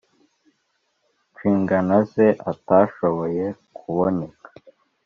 nshingano ze atashoboye kuboneka